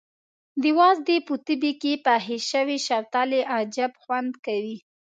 د وازدې په تبي کې پخې شوې شوتلې عجب خوند کاوه.